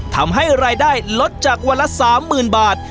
ทำให้รายได้ลดจากวันละ๓๐๐๐บาท